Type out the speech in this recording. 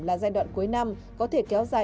là giai đoạn cuối năm có thể kéo dài